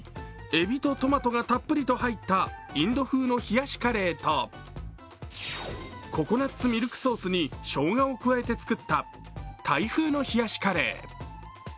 えびとトマトがたっぷりと入ったインド風の冷やしカレーと、ココナッツミルクソースにしょうがを加えて作ったタイ風の冷やしカレー。